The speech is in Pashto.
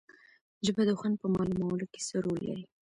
ژبه د خوند په معلومولو کې څه رول لري